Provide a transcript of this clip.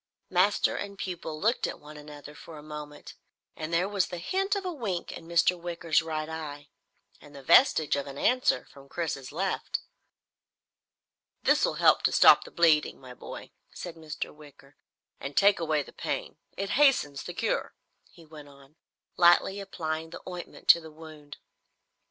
Master and pupil looked at one another for a moment, and there was the hint of a wink in Mr. Wicker's right eye, and the vestige of an answer from Chris's left. "This will help to stop the bleeding, my boy," said Mr. Wicker, "and take away the pain. It hastens the cure," he went on, lightly applying the ointment to the wound.